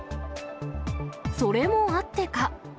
それもあってか。